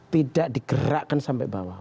tidak dikerahkan sampai bawah